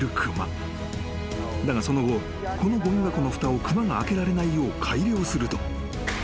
［だがその後このごみ箱のふたを熊が開けられないよう改良すると］